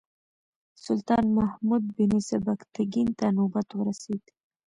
سلطان محمود بن سبکتګین ته نوبت ورسېد.